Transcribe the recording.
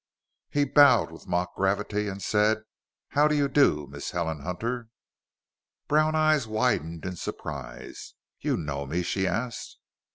He bowed with mock gravity and said, "How do you do, Miss Helen Hunter?" Brown eyes widened in surprise. "You know me?" she asked.